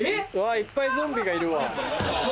いっぱいゾンビがいるわ。